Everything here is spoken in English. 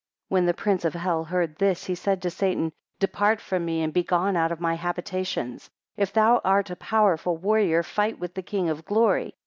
2 When the prince of hell heard this, he said to Satan, Depart from me, and begone out of my habitations; if thou art a powerful warrior, fight with the King of Glory.